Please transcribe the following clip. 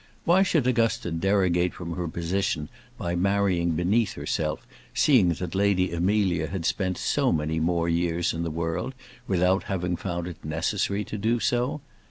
Why should Augusta derogate from her position by marrying beneath herself, seeing that Lady Amelia had spent so many more years in the world without having found it necessary to do so?